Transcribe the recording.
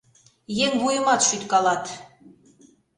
Еҥ вуйымат шӱткалат.